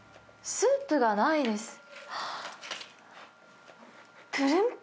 スープがないです。